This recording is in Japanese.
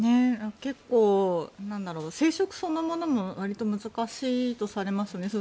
結構、生殖そのものもわりと難しいとされますよね。